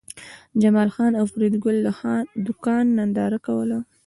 جمال خان او فریدګل د کان ننداره کوله